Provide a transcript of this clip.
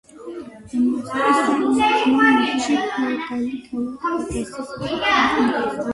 მონასტრის საძმომ ურჩი ფეოდალი თავად გადასცა საქართველოს მეფეს.